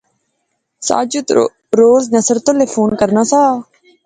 ساجد روز نصرتا لے فون کرنا سا